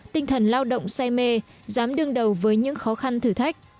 tinh thần lao động say mê dám đương đầu với những khó khăn thử thách